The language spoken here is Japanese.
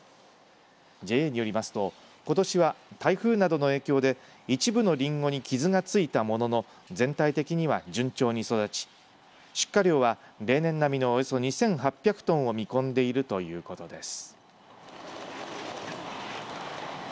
ＪＡによりますとことしは台風などの影響で一部のりんごに傷がついたものの全体的には順調に育ち出荷量は例年並みのおよそ２８００トンを見込んでいるということです。